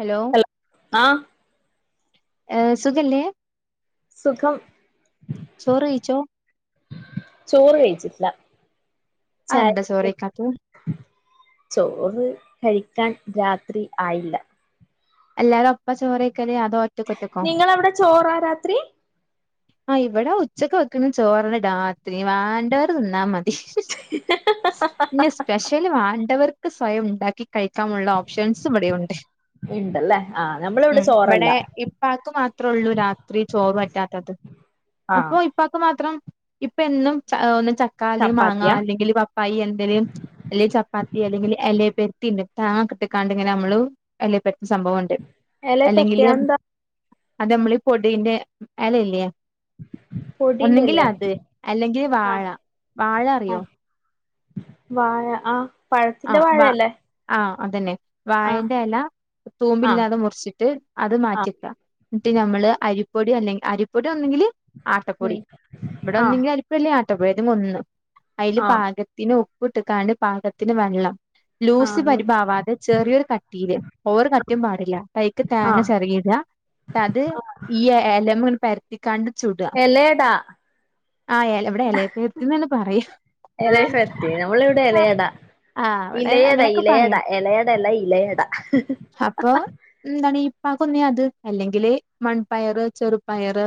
Hello hello ആഹ് ഏഹ് സുഖല്ലേ സുഖം ചോറയിച്ചോ ചോറ് കഴിച്ചിട്ടില്ല അ ചായ എന്താ കുടി. ചോറയ്ക്കാത്തെ ചോറ് കഴിക്കാൻ രാത്രി ആയില്ല എല്ലാവരൊപ്പ ചോറയ്ക് നിങ്ങളവിടെ ചോറാ രാത്രി ആ ഇവിടെ ഉച്ചക്ക് വെക്കണ ചോറ് രാത്രി വേണ്ടവർ തിന്നാ മ [unintelligible] പിന്നെ സ്പെഷ്യൽ വേണ്ടവർ സ്വയം ഉണ്ടാക്കി കഴിക്കാനുള്ള ഓപ്ഷൻസുയിവിടെയുണ്ട് ഇണ്ടല്ലേ ആഹ് നമ്മളിവിടെ ഉം ചോറല്ല ഇവിടെ ഇപ്പാക്ക് മാത്രേ ഉള്ളൂ രാത്രി ചോറ് വേ ണ്ടാത്തത് ആഹ് അപ്പൊ ഇപ്പാക്ക് മാത്രം ഇപ്പാ എന്നും [unintelligible] ചക്ക അല്ലെങ്കിൽ മാങ്ങ ചപ്പാത്തിയാ അല്ലെങ്കില് പപ്പായി എന്തേലും അല്ലെ ചപ്പാത്തി അല്ലെങ്കില് എലയ തിന്നും [unintelligible] കിട്ടിക്കാണ്ടിങ്ങനെ നമ്മള് എലയിൽ പെ സംഭവവൊണ്ട് എല അല്ലെങ്കില് പത്തിയാ എന്താ അത് നമ്മളീ പൊടിന്റെ എലയില്ലേ പൊടീന്റെ എലയാ ഒന്നെങ്കിലത് അല്ലെങ്കി വാഴ ആഹ് വാഴ അറിയോ ആഹ് വാഴ ആഹ് പഴത്തിന്റെ ആഹ് വ വാഴല്ലേ ആഹ് അതന്നെ വായന്റെ എല ആഹ് തൂമ്പില്ലാതെ മുറിച്ചിട്ട് അത് ആഹ് മാറ്റിക്ക എന്നിട്ട് ഞമ്മള് അരിപ്പൊടി അല്ലെ അരിപ്പൊടി ഒന്നെങ്കിൽ ഉം ആട്ടപ്പൊടി ആഹ് ഇവിടൊന്നെങ്കി അരിപ്പല്ലേ ആട്ട ഇട്ടപ്പേര് മുന്ന് അയില് ആഹ് പാകത്തിന് ഉ പ്പ്ട്ട്കണ് പാക ത്തിന് വെള്ളം ലൂസി ആഹ് പരിപ്പാവാതെ ചെറിയൊരു കട്ടിയില് ഓവർ കട്ടിയും പാടില്ല തൈക്ക് തേങ്ങ ആഹ് ചെറകിട്ക ട്ടത് ഈ എലമെൽ പരത്തി എലേടാ ആഹ് എല ഇവടെ എലത്തി [unintelligible] ത്തിന്നണ് പറയ എലയപ്പത്തി നമ്മളിവിടെ എലയട ആഹ് അവടെ ഇലയട അങ്ങനൊക്കെ ഇലയട പറയും എലയടല്ല ഉം. ഇലയട അപ്പൊ എന്താണീ പാകുന്നേ അത് അല്ലെങ്കില് മൺപയറ് ചെറുപയറ്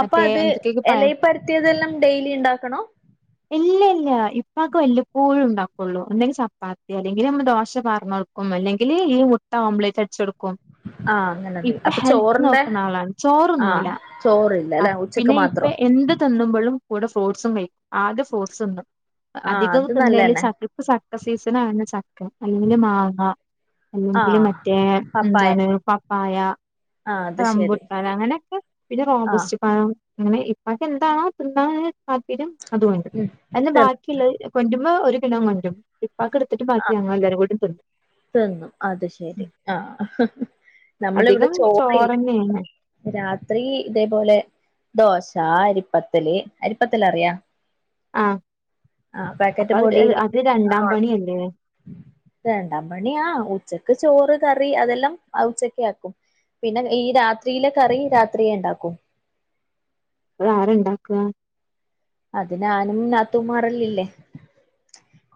അപ്പ മറ്റേ അത് എന്തൊക്കെയൊക്കെ പയ എലയപ്പ ത്തിതെല്ലാം ഡെയിലി ഇണ്ടാക്കണോ ഇല്ലല്ല ഇപ്പക്കെ വല്ലപ്പോഴും ഉണ്ടാക്കുള്ളൂ ഒന്നെങ്കി ചപ്പാത്തി അല്ലെങ്കില് നമ്മടെ ദോശ പറനോൾക്കും അല്ലെങ്കില് ഈ മുട്ട ഓംപ്ലെറ്റ് അടിച്ച് കൊടു ആഹ് അങ്ങനെതി അപ്പ ചോറിന്റെ നോക്കുന്ന ആഹ് ചോറ് അഹ് പിന്നെ ഇപ്പ എന്ത് തിന്നുമ്പളും കൂടെ ഫ്രൂട്ട്സും കഴി ആദ്യ ഫ്രൂട്ട്സ് ഇന്നും ആഹ് അതികവും അത് തിന്നല് നല്ലന്നെ ചക്ക് ഇപ്പ് ചക്ക സീസൺ ആണ് ചക്ക അല്ലെങ്കില് മാങ്ങ അല്ലെങ്കില് ആഹ് മറ്റേ പപ്പായ എന്താണ് പപ്പായ ആഹ് അത് ശരി റമ്പുട്ടാന് അങ്ങനെക്കെ പിന്നെ റോ ആഹ് ബസ്സി പഴം അങ്ങനെ ഇപ്പാക്ക് എന്താണോ തിന്നാന്ന് താപര്യം അതും ഉണ്ട് ഉം എന്ന തിന്ന് ബാക്കിയുള്ള കൊണ്ട്മ്പോ ഒര് ണ്ടും [inaudible] പ്പാക്ക്ടത്തിട്ട് ബാക്കി ഞങ്ങ എല്ലരും കൂടി തി തിന്നും അത് ശരി ആ അധികം ചോറ്ന്നെയാണ് രാത്രി ഇതേപോലെ ദോശ അരിപ്പത്തല് അരിപ്പത്തൽ അറിയാ ആ ആഹ് അപ്പൊ പാക്കറ്റ് അത് പൊടിയില് അത് രണ്ടാം ആഹ് പണിയല്ലേ രണ്ടാം പണി ആ ഉച്ചക്ക് ചോറ് കറി അതെല്ലാം ഉച്ചക്ക ആക്കും പിന്നെ ഈ രാ ത്രീലെ കറി രാത്രിയെണ്ടാക്കും അത് ആരണ്ടാക്ക അതിനാനും നാത്തൂമാറല്ലല്ലേ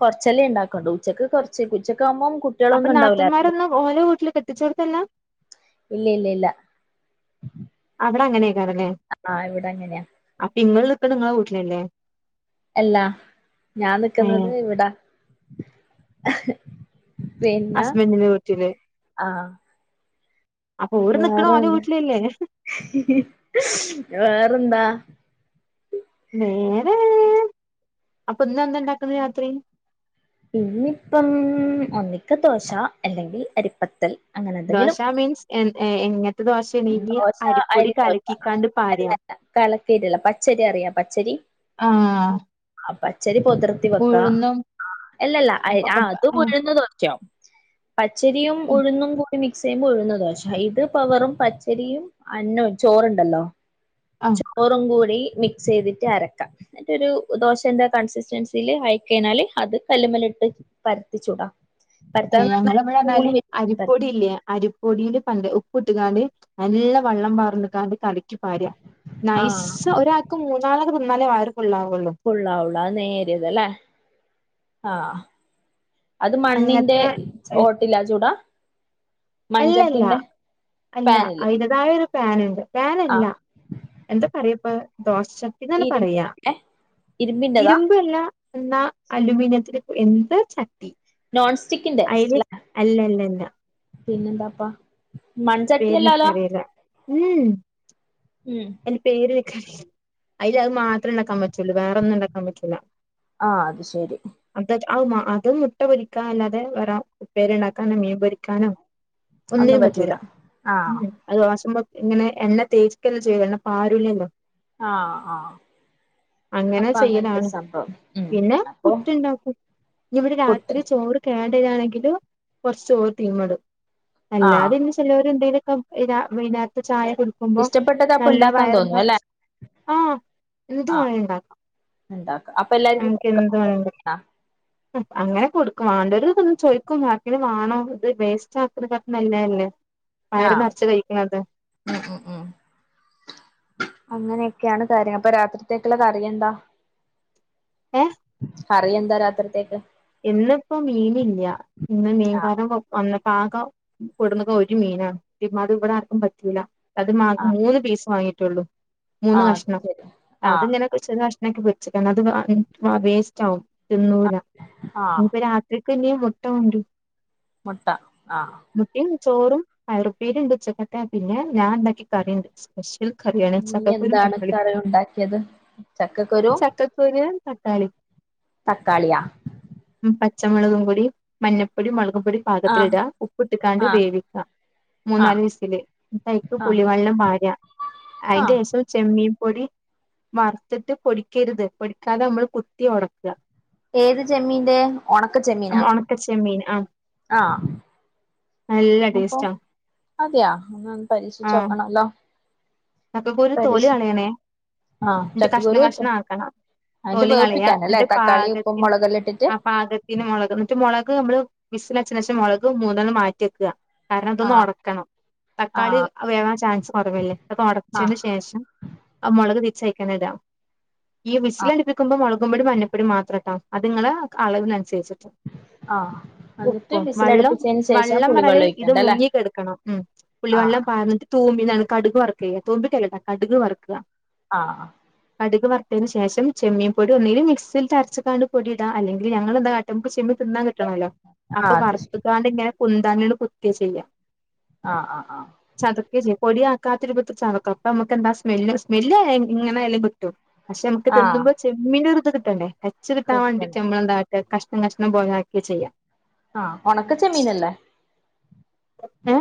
കൊറച്ചല്ലേ ണ്ടാക്കണ്ടു ഉച്ചക്ക് കൊറച്ച് ഉച്ചക്ക ആവുമ്പോം അപ്പൊ നാത്തൂന്മാരൊന്നും ഓലോ വീ ട്ട്‌ല് കെട്ടിച്ചോട്ത്തല്ല ഇല്ല ഇല്ല ഇല്ല പടങ്ങനെ ആ ഇവിടെ അങ്ങനെയാ അപ്പങ്ങള് ഇപ്പ നിങ്ങളെ വീട്ടിലല്ലേ അല്ലാ ഞാൻ നിക്കുന്നത് ഏഹ് ഇവിടാ പിന്നെ അസ്ബെൻഡിന്റെ വീട്ടില് ആ അപ്പൊ ഓര് നിക്കണ ഓലെ വേറെന്താ വീട്ടിലല്ലേ വേ ന്താ വേരെ അപ്പൊ ഇന്ന് എന്ത ഇണ്ടാക്കുന്നു രാത്രി ഇന്നിപ്പം ഒന്നിക്ക ദോശ അല്ലെങ്കിൽ അരിപ്പത്തൽ അങ്ങനെ ദോശ എന്തെങ്കിലും മീൻസ് എൻ ഏ എങ്ങ ദോശ അരി ദോശ പാരാ കലക്കരില്ല പച്ചരി അറിയാം പച്ചരി ആഹ് ശരി ഉതിർത്തി വെക്ക ഉഴുന്നും അല്ലല്ല ആ ഒക്കെ അത് ഉഴന്ന് ശ പച്ചരിയും ഉഴുന്നും കൂടെ മി സെയിം ഉഴുന്ന് ദോശ ഇത് പവറും പച്ചരിയും അന്നവും ചോറുണ്ടല്ലോ ആഹ് ചോറുങ്കൂടി മിക്സ് ചെയ്തിട്ട് അരക്കാം എന്നറ്റൊരു ദോശ എന്താ കൺസിസ്റ്റൻസിൽ അയിക്കഴിഞ്ഞാല് അത് കല്ലുമേല് ഇട്ട് പരത്തിച്ചൂടാം ഞങ്ങള് ബ്ടെന്നാല് പരത്താം അരിപ്പൊടി ഇല്ലേ അരിപ്പൊടിയില് പണ്ട് പ ഉപ് ഉപ്പ്ട്ട്കാണ്ട് നല്ല വള്ളം പാറ്ന്ന്ക്കാണ്ട് കല ക്ക്യ് പാര നൈസ് ഒരാക്ക് മൂന്നാള [unintelligible] മല വാറും ഉള്ളാ ഉള്ളാ നേരിയത് ലെ ആഹ് അത് മണ്ണിന്റെ അങ്ങനത്തെ ഓട്ടില്ല ചുടാ അല്ലല്ല മൺചട്ടിന്റെ അല്ല പാനില് അയ്ന്റെതായ ഒരു പാന്ണ്ട് പാനല്ല ആഹ് എന്താ പറയപ്പഹ് ദോ [unintelligible] ശക്തി തന്നാ പറയാ ഇരുമ്പിന്റെ ഇരുമ്പിന്റെതാ ഇരുമ്പ അല്ല എന്നാ അലൂമിനിയത്തില് എന്ത് വെച്ചാ നോൺ സ്റ്റിക്കിന്റെ അയില് അല്ലെ അല്ലല്ലല്ല പിന്നെന്താപ്പാ പേര് മൺചട്ടിയല്ലാലോ നിക്കാറില്ല ഉം ഉം എന്റെ പേര് അയില് അത് മാത്രേണ്ടാക്കാൻ പറ്റുള്ളൂ വേറൊന്നും ണ്ടാക്കാൻ പറ്റൂല ആഹ് അത് ശരി [unintelligible] ആ അതും മുട്ട പൊരിക്കാ അല്ലാതെ വേറെ ഉപ്പേരി ഒണ്ടാക്കാനോ മീൻ പൊരിക്കാനോ ഒന്നും പറ്റൂല ആഹ് ഉം അതവാ [unintelligible] ഇങ്ങനെ എണ്ണ തേച്ചിക്കല്ലേ [unintelligible] എണ്ണ പാരൂല്ലല്ലോ ആഹ് ആഹ് അങ്ങനെ അപ്പൊ അങ്ങനത്തെ ചെയ്യലാണ് സംഭവം ഉം പിന്നെ അപ്പൊ പുറ്റുണ്ടാക്കും ഇവിടെ പുട്ട് രാത്രി ചോറ് [unintelligible] ട്ടയാണെങ്കിൽ കുറച്ച് ഓ തീമടും. അല്ല ആഹ് അതി [unintelligible] എന്തേലൊക്കെ രാ വൈന്നാര്ത് ചായ കുടിക്കുമ്പം ഇഷ്ടപ്പെട്ടത് അപ്പൊ നല്ല ഉണ്ടാക്കാൻ വയറ് തോന്നും അല്ലെ നർച് ആഹ് എന്തു ആഹ് മാണേം ഉണ്ടാക്ക ഉണ്ടാക്ക അപ്പൊ എല്ലാർക്കും നമക്ക് എന്ത് മാണേലും ആഹ് അങ്ങനെ കൊടുക്കും വണ്ടാര് വന്നു ചോയിക്കും ബാക്കി വാണോ ഇത് വേസ്റ്റ് ആക്കുന്നക്കാട്ടിലും നല്ലേല്ലേ വയറ് ആഹ് നിറച്ച കഴിക്കണുന്നത് ഉം ഉം ഉം അങ്ങനെയൊക്കെയാണ് കാര്യങ്ങൾ അപ്പോ രാത്രിത്തേക്കുള്ള കറി എന്താ ഏ കറി എന്താ രാത്രിത്തേക്ക്? ഇന്ന്പ്പോ മീനില്ല ഇന്ന് ആഹ് മീൻകാരം വ വന്ന് പാക കൊടുന്നത് ഒരു മീനാണ് [unintelligible] മാട് ഇവിടെ ആർക്കും പറ്റൂല അത് മാക് ആഹ് മൂന്ന് പീസ് വങ്ങിട്ട് റ്റുള്ളു മൂന്ന് ആഹ് അത് കഷ്ണം ശരി ആഹ് അത്ങ്ങനെകുഷ് നാഷ് അതൊക്കെ വെച്ച്ക്കണ് അത് അൻ മം വേസ്റ്റ് ആകും തിന്നൂല്ല ആഹ് ഇനിപ്പോ രാത്രി അപ്പോ ഇനീ മുട്ട കൊണ്ടരും മുട്ട ആ മുട്ടയും ചോറും പയറുപ്പേരിണ്ട് ഉച്ചക്കത്തെ പിന്നെ ഞാൻ ഉണ്ടാക്കി കറിയുണ്ട് സ്പെഷ്യൽ കറിയാണ് നീ ചക്കക്കുരും എന്താണ് തക്കാളീം കറി ഉണ്ടാക്കിയത് ചക്കക്കുരും ചക്കക്കുര് തക്കാളീം തക്കാളിയാ പച്ചമുളകും പൊടി മഞ്ഞപ്പൊടി മുളക് പടി ആ പാകത്തിനിട ഉപ്പ് ട്ട്ക്കാണ്ട് ക് ആ വേവിക്കാം ആ മൂന്നാല് വയസ്സൽപ്പ ആ പുളിവെള്ളം വാഴ ആ അതിന്റെ ശേഷം ചെമ്മീ പൊടി വറുത്തിട്ട് പൊടിക്കരുത് പൊടിക്കാതെ നമ്മൾ കുത്തി ഉടക്കുക ഏത് ചെമ്മീന്റെ ഒണക്ക ചെമ്മീനാ ഒണക്ക ചെമ്മീൻ ആ ആ നല്ല അപ്പൊ ടേസ്റ്റാ അതെയ ഒന്ന് ആ പരീക്ഷിച്ചോക്കണല്ലോ ചക്കക്കുരു ഒരു തോലി കളയണേ ആ ന്നിട്ട് കഷ്ണം ചക്കക്കുരു ഇട്ടു കഷ്ണം ആക്കണം അതിന്റെ തോലി കളയാ വേവിപ്പിക്കാനല്ലേ ന്നിട്ട് തക്കാളി ഉപ്പും പാകത്തിന് മുളകെല്ലാം ഇട്ടിട്ട് ആ പാകത്തിന് മുളക് എന്നിട്ട് മുളക് നമ്മള് വിസില് അടിച്ചിന് ശേഷം മുളകും [unintelligible] മാറ്റിവെക്ക കാരണം ആ അതൊന്ന് ഒടക്കണം ആ തക്കാളി വേവാൻ ചാൻസ് കൊറവല്ലേ പ്പ് ആ അടച്ചതിന് ശേഷം ആ മുളക് തിരിച് [unintelligible] ഈ ആ വിസ്ിലടുപ്പിക്കുമ്പോ മുള നമ്മടെ മഞ്ഞപ്പൊടി മാത്രം ഇട്ട മതി അതിങ്ങനെ അളവിന് അൻസരിച് ആ എന്നിട്ട് ഉപ്പും വള്ളം വിസിലടുപ്പിച്ചതിന് ശേഷം വള്ളം വരാലോ പുളിവെള്ളം ഇത് ഒഴിക്കണ്ടല്ലേ മുന്നി കിടക്കണം ആ ഇതാണ് കടുക് വറക്ക [unintelligible] ആ കടുക് വർത്തെന് ശേഷം ചെമ്മീൻ പൊടി ഒന്നൂടി മിക്സിൽ ഇട്ട് അരച്ച് അങ്ങട്ട് പൊടി ഇടാ അല്ലെങ്കിൽ ഞങ്ങൾ ഇത് ആട്ടുമ്പോ ചെമ്മീൻ [inaudible] ആ അത് ശരി ആ ആ ആ [unintelligible] [unintelligible] [unintelligible] ചവക്കാ അപ്പൊ നമുക്ക് എന്താ സ്മെല്ല് സ്മെല്ല് എങ് എങ്ങനായാലും കിട്ടും. പക്ഷെ നമുക്ക് ആ തിന്നുമ്പം ചെമ്മീൻ്റൊരു ഇത് കിട്ടണ്ടെ ഇച്ചിരിത്താ വണ്ടി [unintelligible] കിട്ടണം നമ്മളെന്താ കഷ്ണം കഷ്ണം പോലാക്കി ചെയ്യാം ആഹ് ഒണക്ക ചെമ്മീനല്ലേ ഏ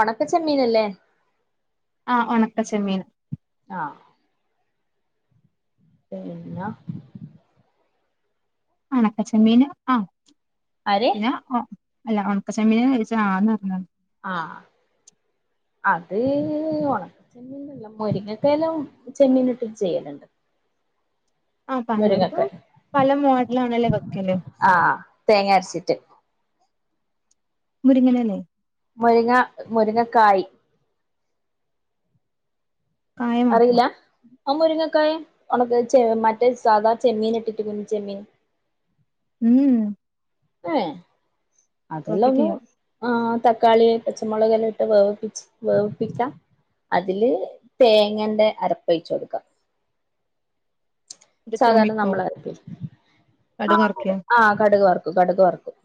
ഒണ ചെമ്മീനല്ലേ ആഹ് ഒണക്കച്ചെമ്മീൻ ആഹ് പിന്ന ഒണക്ക ച്ചെമ്മീന് ആഹ് ആര് പിന്നെ ആ അല്ല ഒണക്കച്ചെമ്മീന് [unintelligible] ആന്ന് പറഞ്ഞത് ആഹ് അത് ഒണക്ക ചെമ്മീനല്ല മൊരിങ്ങക്കേല്ലും ചെമ്മീൻ ഇട്ട് ചെയ്യലുണ്ട് ആഹ് പലയിടത്തും മുരിങ്ങക്കായ് പല മോഡലാണല്ലേ വെക്കല് ആഹ് തേങ്ങ അരച്ചിട്ട് മുരിങ്ങനല്ലേ മുരിങ്ങ മുരിങ്ങക്കായ് കായ മാത്രം അറിയില്ല ആ മുരിങ്ങക്കായ ഉണക്കചെ മറ്റേ സാധാ ചെമ്മീൻ ഇട്ടിട്ട് കുഞ്ഞ് ചെമ്മീൻ ഉം ഏ അതെല്ലാം നോക്കിട്ട് ഒന്ന് ചെയ്യാം ആ തക്കാളി പച്ചമുളക് എല്ലാം ഇട്ട് വേവിപ്പിച്ച് വേവിപ്പിക്കാം അതില് തേങ്ങെന്റെ അരപ്പൊഴിച്ച് കൊടുക്കാം എന്നിട്ട് സാധാരണ തൂമ്പിക്കോ നമ്മള് അരക്കയ [unintelligible] ആ കടുക് വറക്കോ ആഹ് കടുക് വറ് കടുക് വർക്കും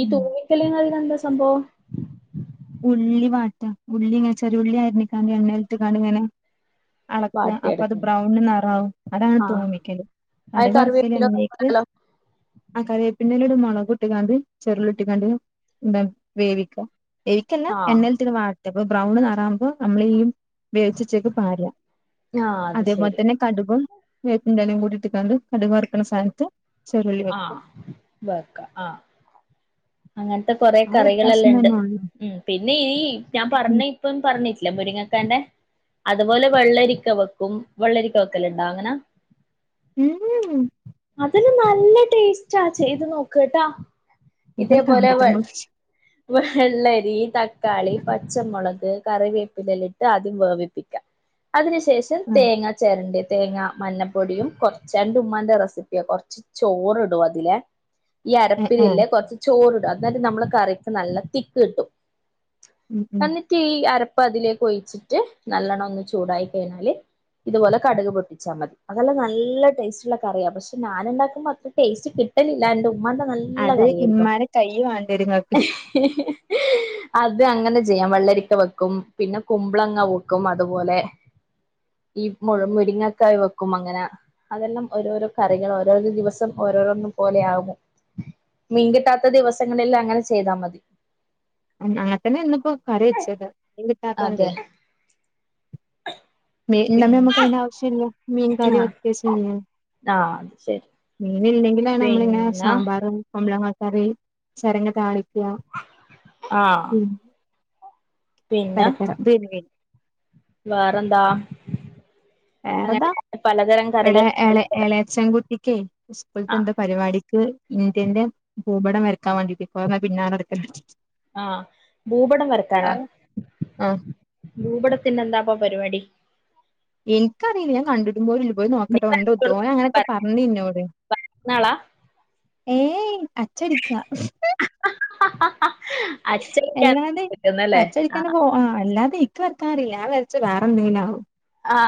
ഈ ഉം തോഴിക്കല് [unintelligible] എന്ത സംഭവം ഉള്ളി വാട്ട ഉള്ളി ഇങ്ങനെ ചെറിയ ഉള്ളി അരിഞ്ഞി [unintelligible] എണ്ണേലിട്ട് കടു വറ അളക്കുക അപ്പൊ അത് വാട്ടിയെടുക്കണ്ടേ ബ്രൗണ് നിറാവും അതാണ് ആ തോന്നിക്കല് അത് അടി വറുക്കല് കറിവേപ്പില [unintelligible] ഇടാലോ. ആ കരയ് പിന്നിലിട് മുളകും ഇട്ടിങ്ങാണ്ട് ചെറുള് ഇട്ടിങ്ങാണ്ട് എന്താ വേവിക്ക വേവിക്കല്ല ആ എണ്ണയിലിട്ടിങ്ങനെ വാട്ടും അപ്പൊ ബ്രൗണ് [unintelligible] ആവുമ്പോ നമ്മള് [unintelligible] വേവിച്ചിച്ചേക്ക് പാര ആ അത് അതേപോൽ ശരി തന്നെ കടുകും വേപ്പിൻ്റെ എലയും കൂടി ഇട്ടികാണ്ട് കടുക് വർക്കണ [unintelligible] ആ ആ അങ്ങനത്തെ കൊറെ ആ ഒരു വ്യത്യാസം കറികളെല്ലാം ഉണ്ട്. തന്നെള്ളു ഉം പിന്നെ ഈ ഞാൻ പറഞ്ഞ ഇപ്പം പറഞ്ഞേ മുരിങ്ങക്കാ അതുപോലെ വെള്ളരിക്ക വെക്കും, വെള്ളരിക്ക വെക്കല്ലാം ഇണ്ടോ അങ്ങനെ? ഊഉ അതിന് നല്ല ടേസ്റ്റാ ചെയ്ത് നോക്ക് ട്ടോ. ഇന്നട് കണ്ടിട്ടൊന്നും [unintelligible] വെള്ളരി തക്കാളി, പച്ചമുളക്, കറിവേപ്പിലലിട്ട് ആദ്യം വേവിപ്പിക്കാ. അതിന് ശേഷം ആഹ് തേങ്ങ ചെരണ്ടി തേങ്ങ, മഞ്ഞപ്പൊടിയും കുറച്ച് എന്റെ ഉമ്മാന്റെ റെസിപ്പിയാ കൊറച്ച് ചോറിടും അതിലെ ഈ ഏഹ് ഏഹ് അരപ്പിലില്ലേ കൊറച്ച് ചോറ് അന്നാലും നമ്മള് കറി നല്ല തിക്ക് കിട്ടും. ഉം ഉം എന്നിട്ട് ഈ അര അപ്പ അതിലേക്ക് ഒഴിച്ചിട്ട് നല്ലവണ്ണം ഒന്ന് ചൂടായി കഴിഞ്ഞാല് ഇതുപോലെ കടുക് പൊട്ടിച്ചാൽ മതി. അതെല്ല നല്ല ടേസ്റ്റുള്ള കറിയാണ് പക്ഷെ ഞാനു ണ്ടാക്കുമ്പോൾ അത്ര ടേസ്റ്റ് കിട്ടലില്ല എന്റെ ഉമ്മാന്റെ നല്ല അത് കറിയായിരിക്കും ഇമ്മാരെ കൈ വേണ്ടി വരു ഇങ്ങ അത് അങ്ങനെ ചെയ്യാം. വെള്ളരിക്ക വെക്കും, പിന്നെ കുമ്പളങ്ങ വെക്കും, അതുപോലെ ഈ മു മുരിങ്ങക്കായ് വെക്കും, അങ്ങനെ അതെല്ലാം ഓരോരോ കറികൾ ഓരോരോ ദിവസം ഓരോരോന്ന പോലെ ആകും. മീൻകിട്ടാത്ത ദിവസങ്ങളിൽ അങ്ങനെ ചെ ചെയ്താ മതി. അങ്ങനെത്തന്നെ ഇന്നിപ്പോ കറി വെച്ചത്. മീൻ കിട്ടാത്തതു കൊണ്ടേ. അതെ ഉണ്ടാവുബം പിന്നെ നമ്മുക്കതിന്റെ ആവശ്യമില്ല. മീൻകാര് ആ ഓക്കെ ചെയ്യോ ആ അത് ശരി മീൻ അങ്ങനെ ഇല്ലെങ്കിലാണ് നമ്മള ഇങ്ങനെ പിന്നെ സാമ്പാറും, ഞമ്മളെ മത്ത കറി ചിരങ്ങ് താളി ആ ഉം പിന്നെ പരപ്പെട [unintelligible] വേറെന്താ? വേറെന്താ അങ്ങനെ പലതരം വടെ കറികൾ ഏളെ ഏളച്ചൻകുട്ടിക്ക് ആ സ്കൂൾത്തെന്തോ പരിവാടിക്ക് ഇന്ത്യന്റെ ഭൂപടം വരക്കാൻ വേണ്ടിട്ട് ഇപ്പോ പിന്നാലെ നാടക്ക്ണ് ആ. ഭൂപടം വരക്കാനാ? ആഹ് ഭൂപടത്തിന്റെ എന്താപ്പ പരിവാടി എനിക്കറിയില്ല ഞാൻ കണ്ടിട്ട പോല പോയി നീ നോക്കട്ടെ ഓന്റെ വരച്ചു എരുത്ത് കൊടു ഓന് അങ്ങനെയൊക്കെ പറഞ്ഞു ഇന്നോട്. വരക്കുന്നാളാ ഏയ് അച്ചടിക്ക അച്ചയ്ക്കാണ് അല്ലാതെ കിട്ടുന്നല്ലേ അച്ചടിക്കാനോ പോ ആഹ് അല്ലാതെ വക്കാറില്ല ഞാ വേച്ച വേറെന്തേലും ആവും ആ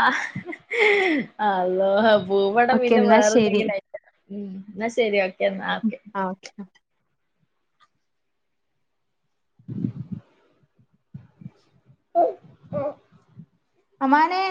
ആ അള്ളോ ഭൂപടം ഓക്കെ പിന്നെ എന്നാ ശരി വേറെന്തെങ്കിലും ആയി എന്നാ ശെരി ഓക്കേ ന്നാ ആ ഓക്കെ ആ ആഹ അമാനേ